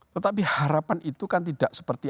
tetapi harapan itu kan tidak seperti